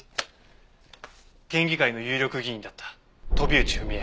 県議会の有力議員だった飛内文枝。